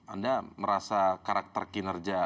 anda merasa karakter kinerja